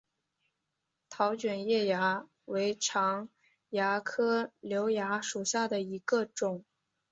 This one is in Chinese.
桃卷叶蚜为常蚜科瘤蚜属下的一个种。